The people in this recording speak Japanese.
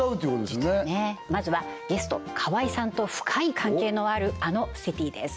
実はねまずはゲスト川合さんと深い関係のあるあのＣＩＴＹです